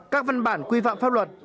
các văn bản quy phạm pháp luật